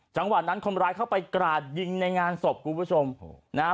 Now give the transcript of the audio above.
จังหวะนั้นคนร้ายเข้าไปกราดยิงในงานศพคุณผู้ชมนะฮะ